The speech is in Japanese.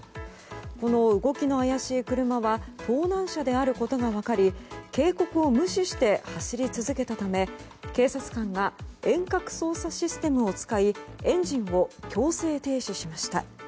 この動きの怪しい車は盗難車であることが分かり警告を無視して走り続けたため警察官が遠隔操作システムを使いエンジンを強制停止しました。